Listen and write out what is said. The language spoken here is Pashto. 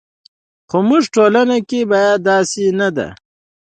خو زموږ ټولنه کې بیا داسې نه ده.